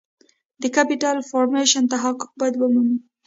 د Capital Formation تحقق باید ومومي.